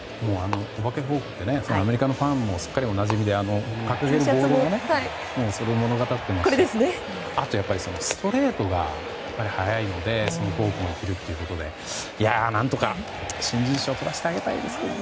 お化けフォークでアメリカのファンもすっかりおなじみで確変がそれを物語ってますしあとストレートが速いのでフォークも来るということで何とか新人賞をとらせてあげたいですよね。